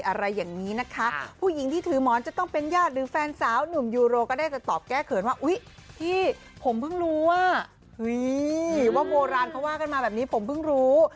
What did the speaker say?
อะไรอย่างนี้นะคะผู้หญิงที่ถือหมอนจะต้องเป็นญาติหรือแฟนสาวหนุ่มยูโรก็ได้แต่ตอบแก้เขินว่าอุ๊ยพี่ผมเพิ่งรู้ว่าเฮ้ยว่าโบราณเขาว่ากันมาแบบนี้ผมเพิ่งรู้